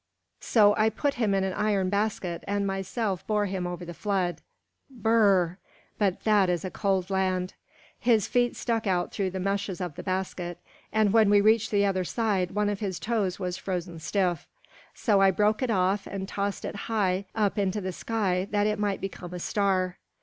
So I put him in an iron basket and myself bore him over the flood. Br r r! But that is a cold land! His feet stuck out through the meshes of the basket, and when we reached the other side one of his toes was frozen stiff. So I broke it off and tossed it up into the sky that it might become a star.